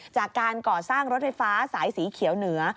จากการก่อสร้างรถไฟฟ้าสายสีเขียวเหนือ